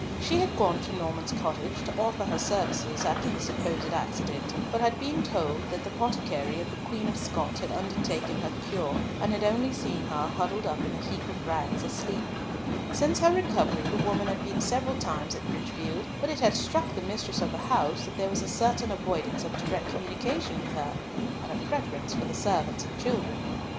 She had gone to Norman's cottage to offer her services after the supposed accident, but had been told that the potticary of the Queen of Scots had undertaken her cure, and had only seen her huddled up in a heap of rags, asleep. Since her recovery the woman had been several times at Bridgefield, but it had struck the mistress of the house that there was a certain avoidance of direct communication with her, and a preference for the servants and children.